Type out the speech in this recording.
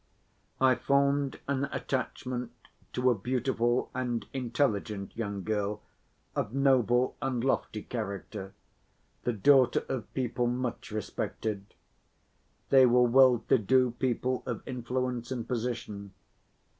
I formed an attachment to a beautiful and intelligent young girl of noble and lofty character, the daughter of people much respected. They were well‐to‐do people of influence and position.